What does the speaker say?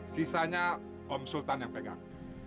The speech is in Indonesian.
sisanya om sultan yang pegang